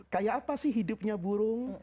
kayak apa sih hidupnya burung